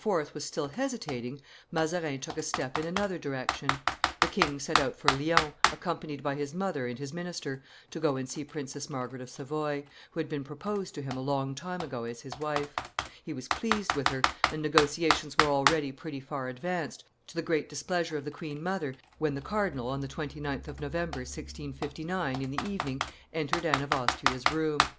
was still hesitating, Mazarin took a step in another direction; the king set out for Lyons, accompanied by his mother and his minister, to go and see Princess Margaret of Savoy, who had been proposed to him a long time ago as his wife. He was pleased with her, and negotiations were already pretty far advanced, to the great displeasure of the queen mother, when the cardinal, on the 29th of November, 1659, in the evening, entered Anne of Austria's room.